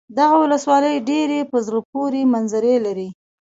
دغه ولسوالي ډېرې په زړه پورې منظرې لري.